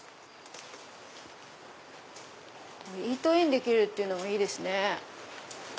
イートインできるっていうのもいいですね。